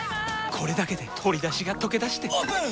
これだけで鶏だしがとけだしてオープン！